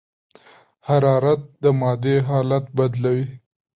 حرارت د مادې حالت بدلوي.